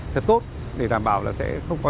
thật tốt để đảm bảo là sẽ không có